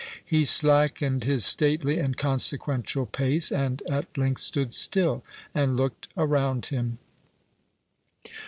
He slackened his stately and consequential pace, and at length stood still, and looked around him.